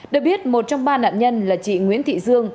được biết một trong ba nạn nhân là chị nguyễn thị dương